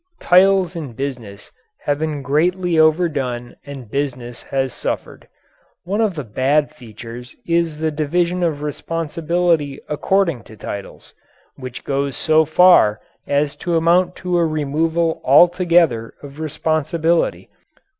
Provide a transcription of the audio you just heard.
Titles in business have been greatly overdone and business has suffered. One of the bad features is the division of responsibility according to titles, which goes so far as to amount to a removal altogether of responsibility.